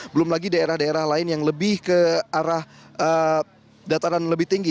belum lagi daerah daerah lain yang lebih ke arah dataran lebih tinggi